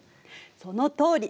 そのとおり！